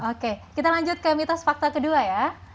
oke kita lanjut ke mitos fakta kedua ya